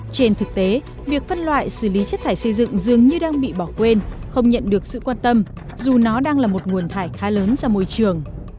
trên thực tế việc phân loại xử lý chất thải xây dựng dường như đang bị bỏ quên không nhận được sự quan tâm dù nó đang là một nguồn thải khá lớn ra môi trường